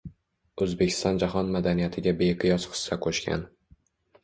O‘zbekiston jahon madaniyatiga beqiyos hissa qo‘shgan